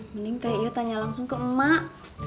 mending teh ia tanya langsung ke emak